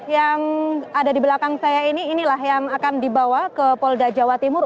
yang ada di belakang saya ini inilah yang akan dibawa ke polda jawa timur